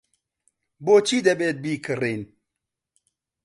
بۆچی دەبێت بیکڕین؟